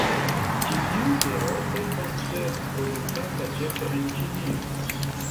Ĉi tiu teo estas produktata ĉefe en Ĉinio.